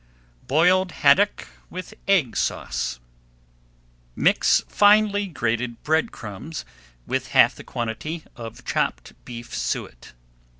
BOILED HADDOCK WITH EGG SAUCE Mix finely grated bread crumbs with half the quantity of chopped beef suet.